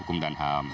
hukum dan ham